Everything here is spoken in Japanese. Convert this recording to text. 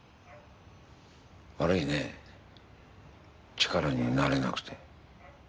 悪いね力になれなくて。